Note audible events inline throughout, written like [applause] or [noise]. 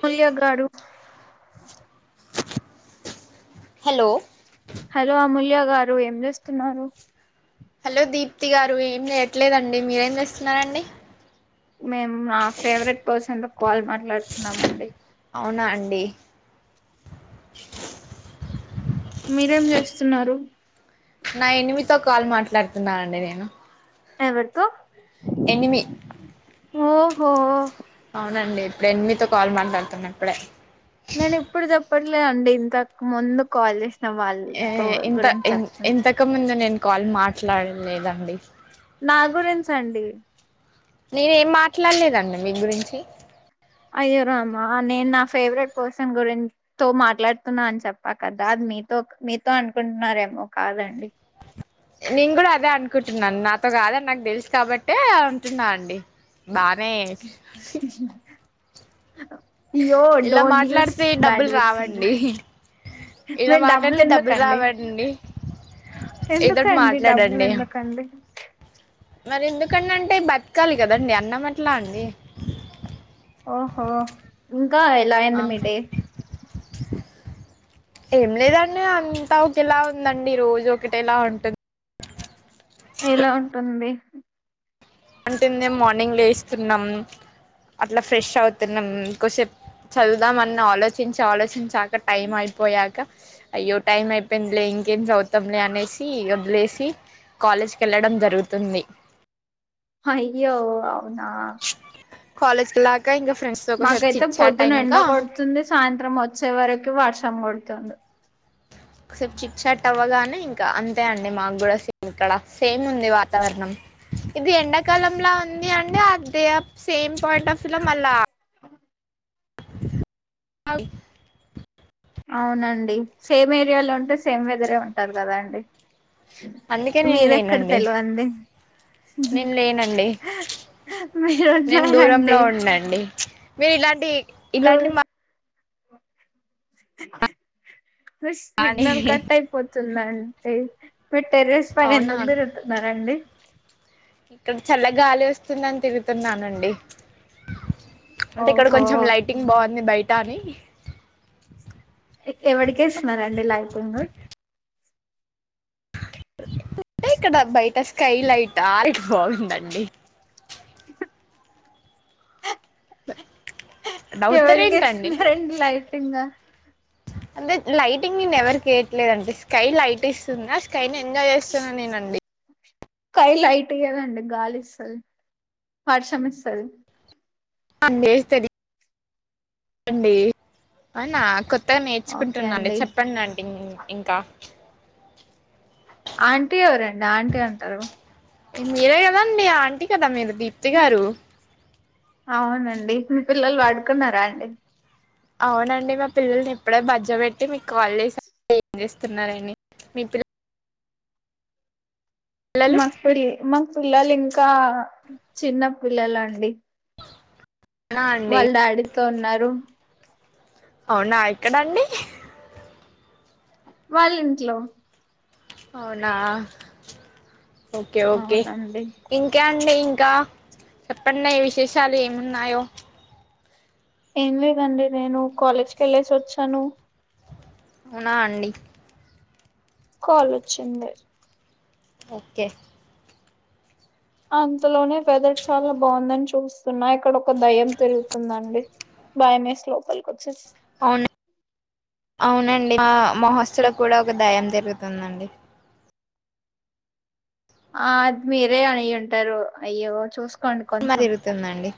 ప్రియా గాడు హలో ప్రియా గారు ఏం చేస్తున్నారు హలో దీప్తి గారు ఏం చేయట్లేదండి మీరు చేస్తున్నారండి మేము నా ఫేవరెట్ పర్సన్ తో కాల్ మాట్లాడుతున్నామండి అవునా అండి మీరు ఎం చేస్తున్నారు నా ఎనిమితో కాల్ మాట్లాడుతున్నానండి నేను ఎవరితో ఎనిమి ఓహో అవునండి ఇప్పుడెన్మితో కాల్ మాట్లాడుతున్నా ఇప్పుడే నేను ఇప్పుడు చెప్పట్లేదండి ఇంత ముందు కాల్ చేస్తా ఏ ఇంత ఇం ఇంతకు ముందు నేను కాల్ మాట్లాడలేదండి నా గురించండి నేనెం మాట్లాడలేదండి మీ గురించి అయ్యో రామ్మా నేను నా ఫేవరెట్ పర్సన్ గురిం తో మాట్లాడుతున్నా అని చెప్పా కదా అది మీ మీతో మీతో అనుకుంటున్నారేమో కాదండి నేను గూడా అదే అనుకుంటున్నాను నాతో గాదని నాకు తెల్స్ కాబట్టే అంటున్నా అండి బాగా ఏడ్ అయ్యో ఇలా డోంట్ యూస్ మాట్లాడితే బ్యాడ్ డబ్బులు వర్డ్స్ అండి రావండి ఇలా మీరు డబ్బులు మాట్లాడితే డబ్బుల్ ఎందుకండి రావాడండి ఏదోటి ఎందుకండి డబ్బులు మాట్లాడండి ఎందుకండి మరెందు ఎందుకంటే బత్కాలి కదండి అన్నం అట్లాండి ఓహో ఇంకా ఎలా ఆ అయింది మీ డే ఏం లేదండి అంతా ఒకేలా ఉందండి రోజు ఒకటేలా ఉంటుంది ఎలా ఉంటుంది అంటే మేం మార్నింగ్ లేస్తున్నాం అట్లా ఫ్రెష్ అవుతున్నాం కోసేపు చదువుదాం అన్న ఆలోచించి ఆలోచించాక టైమయిపోయాక అయ్యో టైం అయిపోయింద్లే ఇంకేం చదుతాంలే అనేసి ఓద్లేసి కాలేజ్కేళ్ళడం జరుగుతుంది అయ్యే అవునా కాలేజీకెళ్ళాక మాకైతే పొద్దున ఎండ్కొడుతుంది సాయంత్రం వచ్చే వరకు వర్షం కొడు తుంది ఒకసారి చిత్చాట్ అవ్వగానే ఇంకా అంతే అండి మాకు కూడా ఇక్కడ సేముంది వాతావరణం ఇది ఎండాకాలం లా ఉంది అండ్ అదే సేమ్ పాయింటాఫ్లా మళ్ళ ఆహ్ అవ్ అవునండి సేమ్ ఏరియాలుంటే సేమ్ వెదరే ఉంటారు కదా అండి అందుకే నేను మీరెక్కడ లేనండి తెల్వడి ఉహ్ నేను లేనండి నేను దూరంలో మీరన్నారండి ఉండండి మీరు ఇలాంటి ఇలాంటి మా అని సిగ్నల్ కటైపోతుందంటే మీరు టెరస్ పైన అవునా ముగ్గురు ఉంటున్నారాండి ఇక్కడ చల్ల గాలోస్తుందని తిరుతున్నానండి అంటే ఇక్కడ కొంచెం ఓహో లైటింగ్ బాగుంది బయట అని ఎవడికేసున్నారండి లైటింగు అంటే ఇక్కడ బయట స్కై లైటా లెక్ బాగుందండి హాహ్ ఎవరికి నవ్వుతారెంటండీ ఇస్తున్నారండి లైటింగ్ అంటే లైటింగ్ నేను ఎవరికేయట్లేదుండి స్కై లైట్ ఎస్తుందా స్కైనెంజయ్ చేస్తున్నా నేనండి స్కై లైట్ ఈయదండి గాలి ఇస్తది వర్షం ఇస్తది అన్నీస్తది అండి అనా కొ కొత్త ఓకే నేర్చుకుంటున్నాండి అండి చెప్పండంటి ఇంకా ఆంటీ ఎవరండి ఆంటీంటారు మీరే గదండి ఆంటీ కదా మీరు దీప్తి గారు అవునండి మీ పిల్లల్వాడుకున్నారా అండి అవునండి మా పిల్లల్ని ఎప్పుడే బజోవెట్టి మీకు కాల్ చేస ఏం చేస్తున్నారని మీ పిల్ల పిల్లలు మా పిల్లలు ఇంకా చిన్న పిల్లలు అండి అవునా అండి వాళ్ళు డాడీతో ఉన్నారు అవునా ఎక్కడ అండి వాళ్ళ ఇంట్లో అవునా ఓకే ఓకే అవునండి ఇంకా చెప్పండి ఇంకా చెప్పండి విశేషాలు ఏమున్నాయో ఎమ్ లేదండి నేను కాలేజ్కి కి వెళ్ళసి వచ్చాను అవునా అండి కాల్ వచ్చింది ఓకే అంతలోనే వెదర్ చాలా బావుందని చూస్తున్నా ఇక్కడ ఒక దయ్యం తిరుగుతుందండి భయం వేసి లోపల్ కి వచ్చేసిన అవును అవునండి మా హాస్టల్ లో కూడా ఒక దయ్యం తిరుగుతుందండి ఆ అది మీరే అయింటారు అయ్యో చూసుకో దిమ్మ తిరుగుతుందండి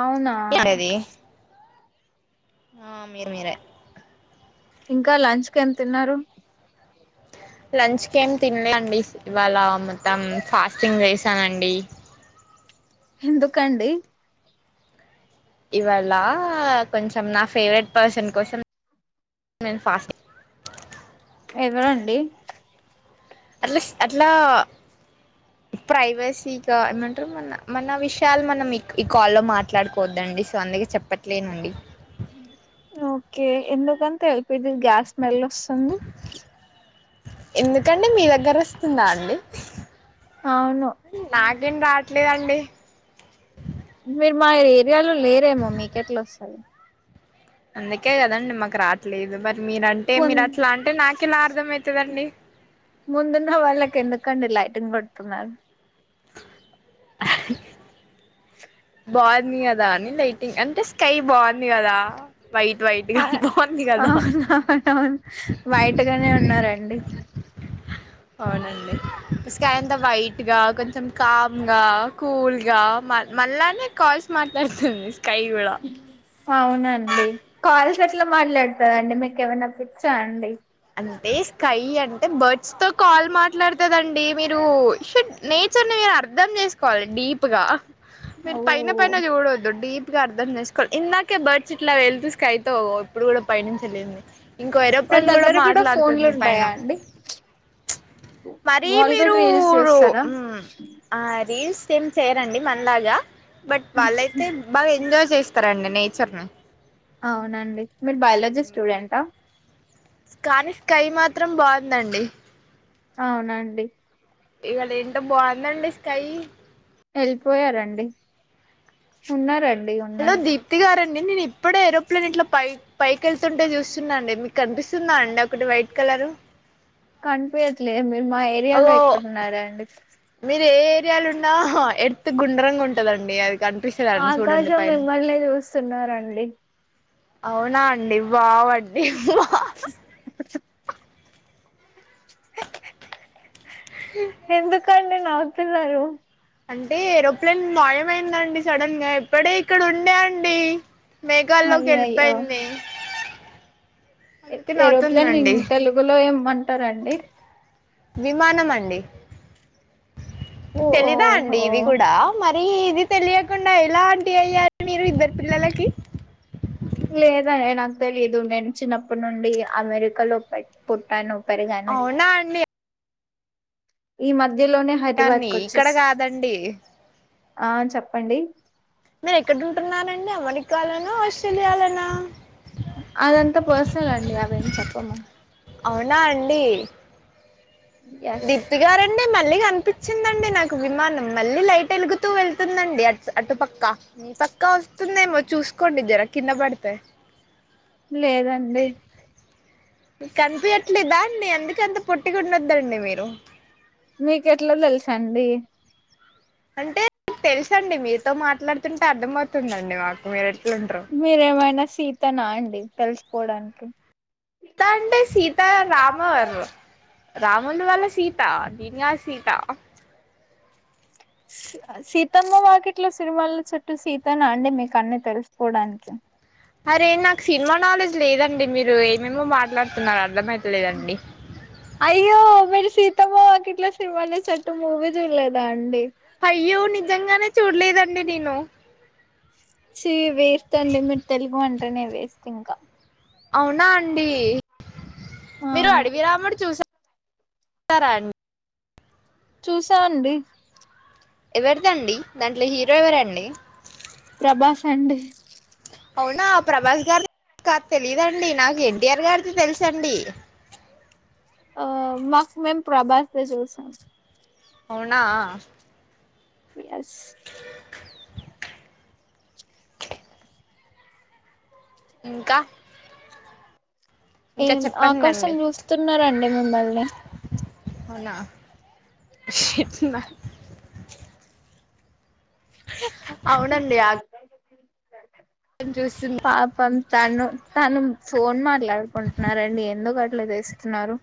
అవునా అది ఆ మీరు మీరే ఇంకా లంచ్ కి ఎమ్ తిన్నారు లంచ్కీ ఏం తినలే అండి ఇవాళ మొత్తం ఫాస్టింగ్ వేశానుఅండి ఎందుకండి ఇవాళ కొంచెం నా ఫేవరెట్ పర్సన్ కొసం నేన్ ఫాస్టింగ్ ఎవరండీ అ అట్లా ప్రైవసీగా ఏమంటారు మన మన విషయాలు మనం ఈ కాల్లో మాట్లాడుకోఅండి సో అందుకే చెప్పట్లేనుండి ఎందుకు అంతా ఎల్పిజీ గ్యాస్ స్మెల్ వస్తుంది ఎందుకు అండి మీ దగ్గర వస్తుందా అండి అవును ఎమ్ రాట్లేదండి మీరు మా ఏరియాలో లేరేమో మీకెట్లా వస్తాది అందుకే కాదాండి మాకు రాట్లేదు బట్ మీర అంటే మీరు అట్లా అంటే నాక ఇలా అర్థమవుతది తడండి షన్ పడుతున్నారు బొంది కదా అని లైటింగ్ అంటే స్కై బాగుంది కదా వైట్ వైట్ గా అ బాగుంది కదా అవును అవును బయట ఇంట్లో నే ఉన్నారండి అవునండి స్కై అంత వైట్ గా కొంచెం కామ్ గా కూల్ గా మనలే కాల్స్ మాట్లాడుతుంది స్కై కూడా అవునండి కాల్స్ అట యెట్లా మాట్లాడతరండి మీకు ఏమైనాప్పిచ్చా అండి ఏ స్కై అంటే బర్డ్స్ తో కాల్ మాట్లాడుతదండి మీరు షట్ నేచర్ ని అంటే అర్ధం చేసుకోవాలి డీప్ గా మీరు ఓ పైన పైన చూడొద్దు డీప్ గా అర్థం చే కోల్ ఇందాకే బర్డ్స్ ఇట్లా వెళ్తూ స్కై తో ఇప్పుడు కూడా పయనించెలింది ఇంకో వాళ్ళ ఏరోప్లేన్ కూడా దగ్గర ఫోన్లు మాట్లాడుతుంది పైన ఉంటాయా అండి మరి వాళ్ళు కూడా మీరు రీల్స్ చూస్తారా ఉమ్ ఆ రీల్స్ ఏం చేయరండి మనలాగా బట్ వాళ్ళయితే బాగా ఎంజాయ్ చేస్తార అండి నేచర్ ని అవునండి మీరు బయాలజీ స్టూడెంటా కానీ స్కై మాత్రం బొందండి అవునాండి ఇవాళ ఏంటో బావుందండి స్కైయి ఎళ్ళిపోయారండి ఉన్నారన్ హలో దీప్తి గారండి నేను ఇప్పుడే ఏరోప్లేన్ ఇట్ల పై పైకి ఎళ్తుంటే చూస్తున్నా అండి మీకు కనిపిస్తుందా అండి ఒకటి వైట్ కలరు కనిపయట్లే మీరు మా ఏరియాలో అగో ఎక్కడున్నారండి మీరు ఏ ఏరియాలు ఉన్నా ఎర్త్ గుండ్రంగుంటదండి అది కనిపిస్తది అండి చూడండి పైన ఇది చూస్తున్నారండి అవునా అండి వావ్ అండి ఎందుక్ కండి నవ్వుతునారు అంటే ఏరోప్లేన్ మాయమైందండి సడన్ గా ఎప్పుడే ఇక్కడుండే అండి మేఘాల్లోకి అయ్యయ్యో ఎళ్ళిపోయింది ఎ ఏరోప్లేన్ని తెలుగులో ఏమంటరండి విమానం అండి మిక్ పో- తెలీదా అండి ఓహో ఇవి గూడా మర్ మరి ఇది తెలియకుండా ఎలా ఆంటీ అయ్యారు మీరు ఇద్దరు పిల్లలకి లేదండి నాకు తెలియదు నేను చిన్నప్పటి నుండి అమెరికా లో పె పుట్టాను పెరిగాను అవునా అండి ఈ మధ్యలోనే దాన్ని హైద్రాబాద్కు ఇక్కడ వచ్చేసి కాదండి ఆ చెప్పండి మీరు ఎక్కడుంటున్నారండి అమెరికాలోనా ఆస్ట్రేలియాలోనా అదంతా పర్సనల్ అండి అవేమి చెప్పము అవునా అండి ఎస్ దీప్తిగారన్ డి అ మళ్ళీ కనిపించిందండి నాకు విమానం మళ్ళీ లైట్ ఎలుగుతూ వెళ్తుందండి అట్ అటుపక్క పక్క వస్తుందేమో చూస్కోండి జర కింద బడితే లేదండి కనిపియట్లేదా అండి అందుకె అంత పొట్టిగుందొద్దండి మీరు మీకు ఎట్ల తెలుసండి అంటే తెలుసండి మీతో మాట్లాడుతుంటే అర్థమవుతుందండి మాకు మీరు ఎట్లుంటారో మీరేమైనా సీతనా అండి తెలుసుపోడానికి త్తా అండి సీతారామర్ రాములు వాళ్ళ సీత నేన్కధ్ సీతా సి సీతమ్మ వాకిట్లో సిరిమల్లె చెట్టూ సీతనా అండి మీకు అన్నీ తెలుసుపోడానికి అరే నాకు సినిమా నాలెడ్జ్ లేదండి మీరు ఏమేమో మాట్లాడుతున్నారు అర్థమై అయ్యో మీరు సి సీతమ్మ వాకిట్లో సిరిమల్లె చెట్టు మూవీ చూడలేదా అండి అయ్యో నిజంగానే చూడలేదండి నేను ఛి వేస్ట్ అండి మీరు తెలుగు అంటనే వేస్ట్ ఇంక అవునా అండి మీరు అవును అడవి రాముడు చూస సరా అన్ చూసా అండి ఎవరిదండి దాంట్లో హీరో ఎవరండి? ప్రభాస్ అండి అవునా ప్రభాస్ గారి కా తెలిదండి నాకు ఎన్టీఆర్ గారిది తెలుసండి. ఆ మాకు మేం ప్రభాస్ దే చూసాం అవునా యస్ ఇంకా ఇంకా ఏం చెప్పండి ఆకాశం అండి చూస్తున్నారండి మిమ్మల్ని. అవునా షీట్న [inaudible] ఏం చూసున్న పాపం తను తను ఫోన్ మాట్లాడుకుంటున్నారండి ఎందుకట్లా చేస్తున్నారు?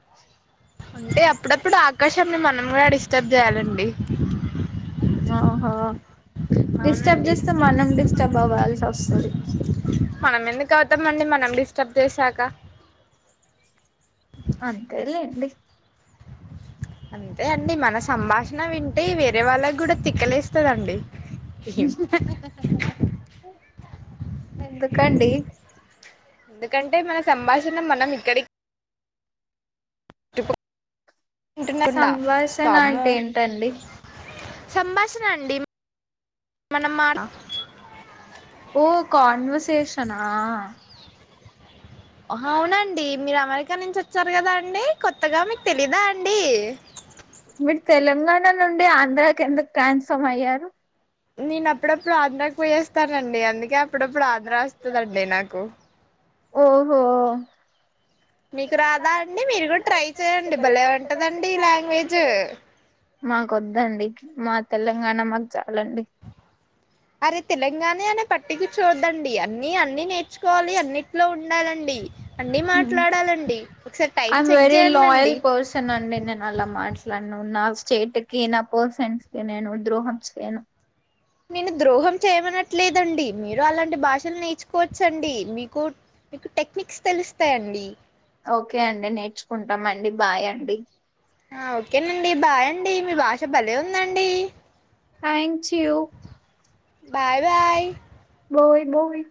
ఇప్పుడాకాశంన్ని మనం గూడ డిస్టర్బ్ చేయాలండి ఆహో డిస్టర్బ్ అవునండి చేస్తే మనం డిస్టర్బ్ అవ్వాల్సొస్తది. మనం ఎందుకు అవుతాంమండి మనం డిస్టర్బ్ చేసాక అంతేలేండి అంతే అండి మన సంభాషణ వింటే వేరే వాళ్ళకూడా తిక్కలేస్తదండి. ఎందుకండీ కంటే మన సంభాషణ మనం ఇక్కడికి టుబుక్ వింటున్నారు అన్న సంభాషణ వామ్మో అంటే ఏంటండి సంభాషణ అండి మనం మాట ఓ కాన్వర్సేషనా? హవునండి. మీరు అమెరికా నుంచి ఒచ్చారు కదా అండి. కొత్తగా మీకు తెలీదా అండి? మీరు తెలంగాణ నుండి ఆంధ్రా కెందుకు ట్రాన్స్ఫార్మ్ అయ్యారు? నేను అప్పుడప్పుడు ఆంధ్రకి పోయస్ వస్తానండి అందుకే అప్పుడప్పుడు ఆంధ్ర వస్తదండి నాకు. ఓహో మీకు రాదా అండి మీరు కూడా ట్రై చేయండి భలే ఉంటదండి ఈ లాంగ్వేజ్ మాకొద్దండి మా తెలంగాణ మాక్చాలండి. అరే తెలంగాణ అనే పట్టిక చూడోద్దండి. అన్ని అన్ని నేర్చుకోవాలి అన్నిట్లో ఉండాలండి. అన్నీ మాట్లాడాలండి ఒకసారి time I'm check very loyal చేయండండి పర్సన్ అండి నేనల మాట్లాడ ను నా స్టేట్ కి, నా పర్సన్స్ కి నేను ద్రోహం చేయను. నేను ద్రోహం చేయమనట్లేదండి. మీరు అలాంటి భాషలు నేర్చుకోవచ్చండి మీకు మీకు టెక్నిక్స్ తెలుస్తాయండి? ఓకే అండి నేర్చుకుంటామండి బాయ్ అండి. ఆ ఓకేనండి. బాయండి మీ భాష భలే ఉందండీ. థ్యాంచుయి బాయ్ బాయ్ బోవి బోవి